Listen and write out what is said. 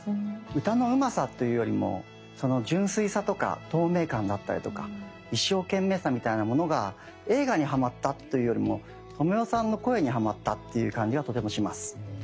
歌のうまさというよりもその純粋さとか透明感だったりとか一生懸命さみたいなものが映画にはまったというよりも知世さんの声にはまったっていう感じがとてもします。